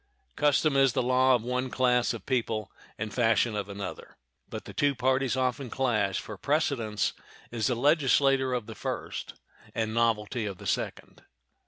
Custom is the law of one class of people and fashion of another; but the two parties often clash, for precedence is the legislator of the first and novelty of the second.